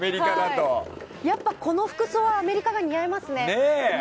この服装はアメリカが似合いますね。